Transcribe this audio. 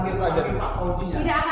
tidak akan ada kesalahan pak